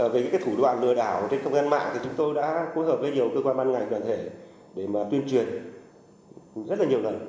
về những thủ đoạn lừa đảo trên không gian mạng thì chúng tôi đã cố gắng với nhiều cơ quan băn ngành toàn thể để mà tuyên truyền rất là nhiều lần